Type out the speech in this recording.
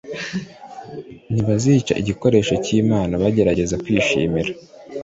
Ntibazica igikoresho cyImana bagerageza kwishimira